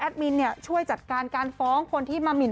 มินเนี่ยช่วยจัดการการฟ้องคนที่มาหมิน